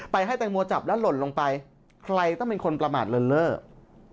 ให้แตงโมจับแล้วหล่นลงไปใครต้องเป็นคนประมาทเลินเลิศ